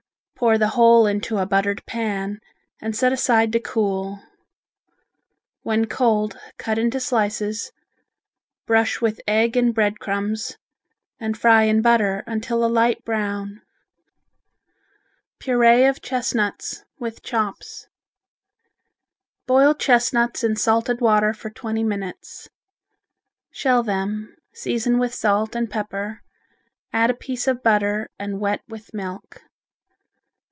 Pour the whole into a buttered pan and set aside to cool. When cold cut into slices, brush with egg and bread crumbs and fry in butter until a light brown. Puree of Chestnuts with Chops Boil chestnuts in salted water for twenty minutes. Shell them, season with salt and pepper, add a piece of butter and wet with milk.